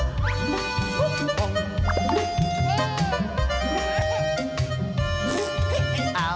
ไม่ไปแล้ว